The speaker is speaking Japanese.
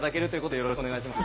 よろしくお願いします。